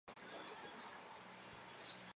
总部位于圣彼得堡。